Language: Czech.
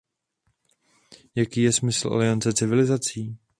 Jaký je smysl Aliance civilizací?